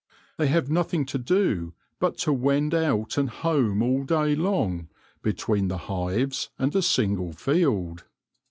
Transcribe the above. They have nothing to do but to wend out and home all day long between the hives and a single field.